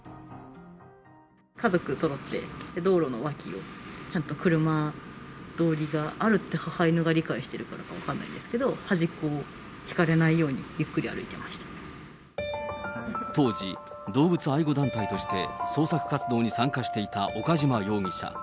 家族そろって、道路の脇を、ちゃんと車通りがあるって母犬が理解してるからか分かんないですけど、端っこをひかれないように、当時、動物愛護団体として捜索活動に参加していた岡島容疑者。